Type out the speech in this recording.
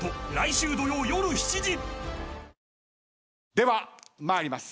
では参ります。